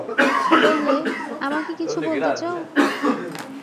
বললে, আমাকে কিছু বলতে চাও?